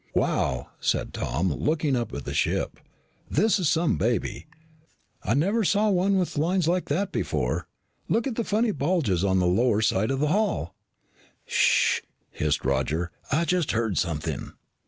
"Wow!" said Tom, looking up at the ship. "This is some baby. I never saw one with lines like that before. Look at the funny bulges on the lower side of the hull." "Sh!" hissed Roger. "I just heard something."